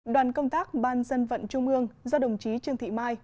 đoàn công tác ban dân vận trung ương do đồng chí trương thị mai